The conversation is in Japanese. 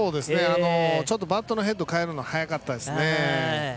ちょっとバットのヘッドを返すのが早かったですね。